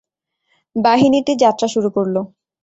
বাহিনীটি যাত্রা শুরু করল।